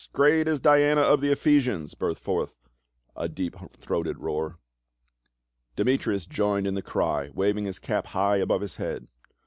Great is Diana of the Ephesians !" burst forth a deep throated roar. Demetrius joined in the cry, waving his cap high above his head.